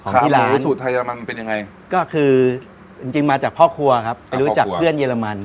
กีฬาสูตรไทยเรมันเป็นยังไงก็คือจริงมาจากพ่อครัวครับไปรู้จักเพื่อนเยอรมัน